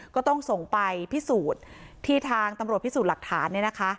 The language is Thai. ก็ต้องส่งไปพิสูจน์ที่ทางตำรวจพิสูจน์หลักฐานเนี่ยนะคะ